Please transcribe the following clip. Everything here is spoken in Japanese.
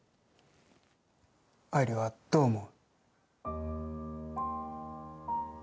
愛梨はどう思う？